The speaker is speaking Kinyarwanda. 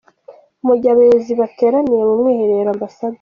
Mu gihe abayobozi bateraniye mu Mwiherero, Amb.